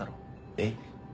えっ？